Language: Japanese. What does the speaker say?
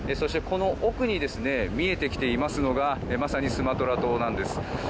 この奥に見えてきていますのがまさにスマトラ島なんです。